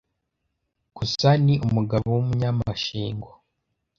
Gusa ni umugabo w’umunyamashyengo